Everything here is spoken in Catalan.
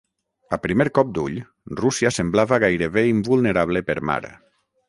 A primer cop d'ull, Rússia semblava gairebé invulnerable per mar.